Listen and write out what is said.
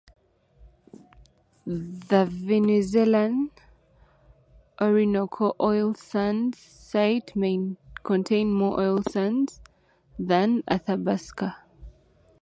The Venezuelan Orinoco Oil Sands site may contain more oil sands than Athabasca.